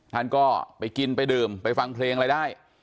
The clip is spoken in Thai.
ท่านก็ไปกินไปดื่มไปฟังเพลงอะไรได้